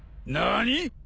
何！？